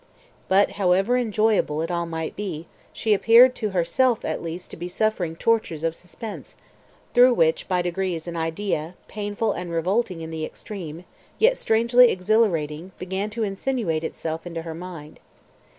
But, however enjoyable it all might be, she appeared to herself at least to be suffering tortures of suspense, through which by degrees an idea, painful and revolting in the extreme, yet strangely exhilarating, began to insinuate itself into her mind.